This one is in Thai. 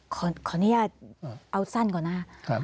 ขออนุญาตเอาสั้นก่อนนะครับ